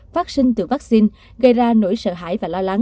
phát sinh từ vaccine gây ra nỗi sợ hãi và lo lắng